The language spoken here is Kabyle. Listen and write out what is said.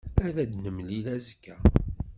As-d ad nemlil azekka.